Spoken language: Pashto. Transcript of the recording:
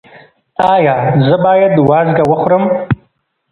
ایا زه باید وازګه وخورم؟